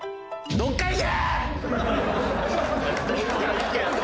「どっか行け」って。